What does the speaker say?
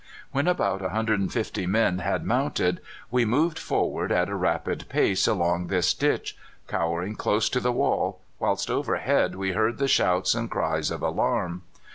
"When about 150 men had mounted, we moved forward at a rapid pace along this ditch, cowering close to the wall, whilst overhead we heard the shouts and cries of alarm.